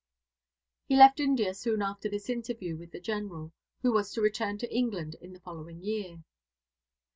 He left India soon after this interview with the General, who was to return to England in the following year.